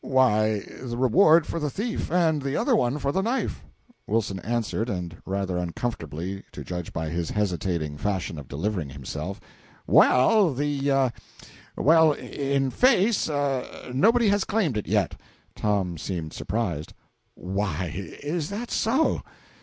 "Why, the reward for the thief, and the other one for the knife." Wilson answered and rather uncomfortably, to judge by his hesitating fashion of delivering himself "Well, the well, in fact, nobody has claimed it yet." Tom seemed surprised. "Why, is that so?"